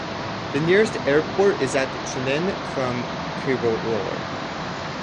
The nearest airport is at Chennai, from Cuddalore.